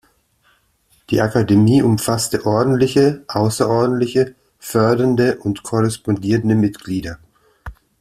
Die Akademie umfasste ordentliche, außerordentliche, fördernde und korrespondierende Mitglieder.